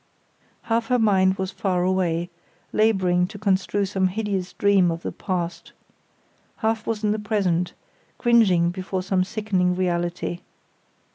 Half her mind was far away, labouring to construe some hideous dream of the past; half was in the present, cringing before some sickening reality.